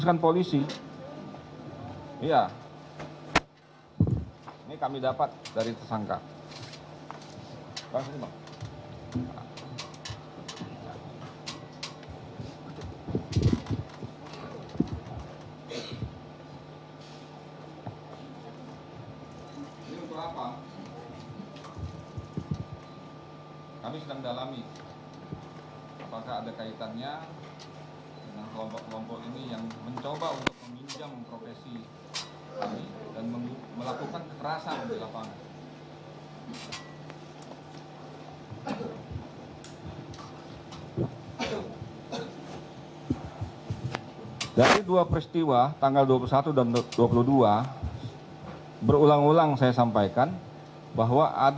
saya akan mencoba